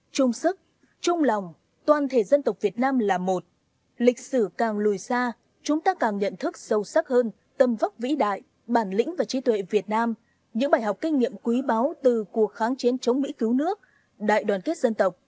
trung sức trung lòng toàn thể dân tộc việt nam là một lịch sử càng lùi xa chúng ta càng nhận thức sâu sắc hơn tâm vóc vĩ đại bản lĩnh và trí tuệ việt nam những bài học kinh nghiệm quý báu từ cuộc kháng chiến chống mỹ cứu nước đại đoàn kết dân tộc